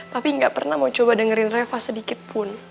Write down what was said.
tapi enggak pernah mau dengerin reva sedikitpun